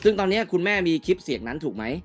ซึ่งตอนนี้คุณแม่มีคลิปเสียงนั้นถูกไหม